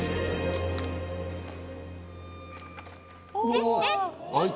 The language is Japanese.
えっ？